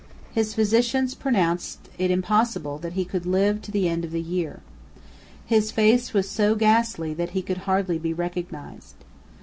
His physicians pronounced it impossible that he could live to the end of the year. His face was so ghastly that he could hardly be recognised.